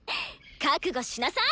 覚悟しなさい！